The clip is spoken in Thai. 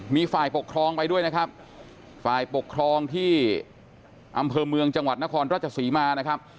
มีฝ่ายปกครองไปด้วยนะครับฝ่ายปกครองที่อำเภอเมืองจังหวัดนครราชศรีมานะครับ